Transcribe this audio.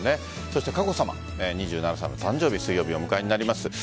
佳子さま、２７歳の誕生日水曜日、お迎えになります。